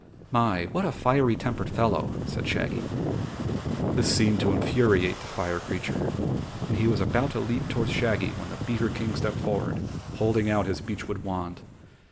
"My, what a fiery tempered fellow," said Shaggy. This seemed to infuriate the fire creature and he was about to leap toward Shaggy when the beaver King stepped forward, holding out his beechwood wand.